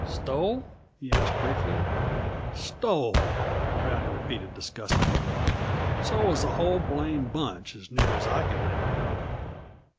"Stole?" he asked briefly. "Stole," Rowdy repeated disgustedly. "So was the whole blame' bunch, as near as I can make out."